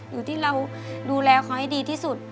อยู่ที่เราดูแลเขาให้ดีที่สุด